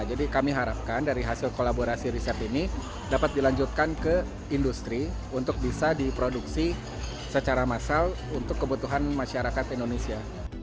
jadi kami harapkan dari hasil kolaborasi riset ini dapat dilanjutkan ke industri untuk bisa diproduksi secara massal untuk kebutuhan masyarakat indonesia